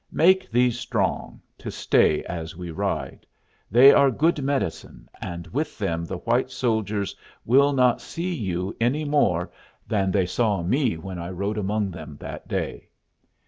Make these strong, to stay as we ride. They are good medicine, and with them the white soldiers will not see you any more than they saw me when I rode among them that day."